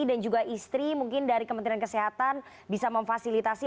dan juga istri mungkin dari kementerian kesehatan bisa memfasilitasi